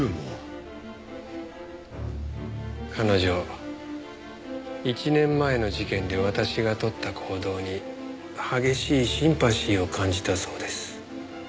彼女１年前の事件で私が取った行動に激しいシンパシーを感じたそうです。